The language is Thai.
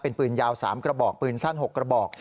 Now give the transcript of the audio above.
เป็นปืนยาว๓กระบอกปืนสั้น๖กระบอก